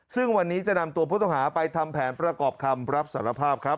ซึ่งวันนี้จะนำตัวผู้ต้องหาไปทำแผนประกอบคำรับสารภาพครับ